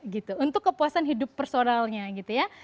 enam puluh enam tiga gitu untuk kepuasan hidup personalnya gitu ya